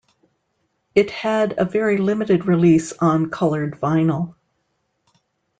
It had a very limited release on colored vinyl.